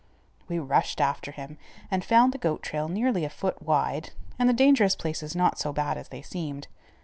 We rushed after him, and found the goat trail nearly a foot wide, and the dangerous places not so bad as they seemed.